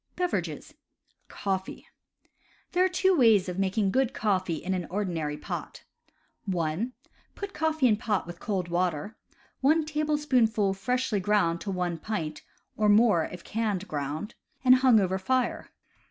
BEVERAGES Coffee. — There are two ways of making good coffee in an ordinary pot. (1) Put coffee in pot with cold water (one tablespoonful freshly ground to one pint, or more if canned ground) and hang over fire.